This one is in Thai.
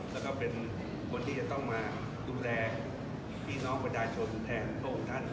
แล้วก็เป็นคนที่จะต้องมาดูแลพี่น้องประชาชนแทนพระองค์ท่าน